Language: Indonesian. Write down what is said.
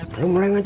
kalo mreng aja